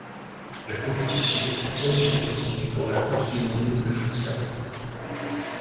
La compétition est qualificative pour la Coupe du monde de futsal.